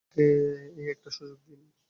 আমাদেরকে এই একটা সুযোগ দিন।